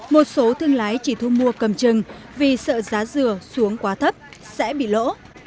một số thương lái chỉ thu mua cầm chừng vì sợ giá dừa xuống quá thấp sẽ bị lỗ